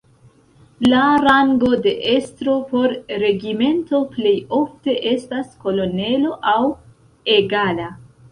La rango de estro por regimento plej ofte estas kolonelo aŭ egala.